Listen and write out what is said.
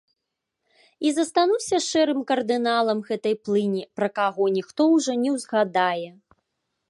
І застануся шэрым кардыналам гэтай плыні, пра каго ніхто ўжо не ўзгадае.